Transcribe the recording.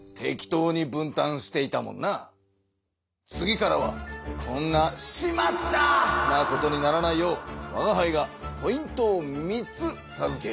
次からはこんな「しまった！」なことにならないようわがはいがポイントを３つさずけよう。